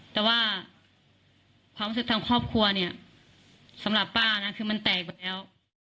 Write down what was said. แต่ว่าความรู้สึกทางครอบครัวเนี่ยสำหรับป้านะคือมันแตกหมดแล้ว